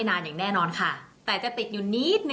ส่งผลทำให้ดวงชะตาของชาวราศีมีนดีแบบสุดเลยนะคะ